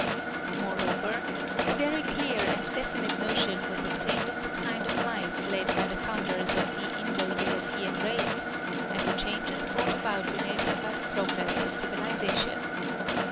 Moreover a very clear and definite notion was obtained of the kind of life led by the founders of the Indo European race, and the changes brought about in it by the progress of civilization.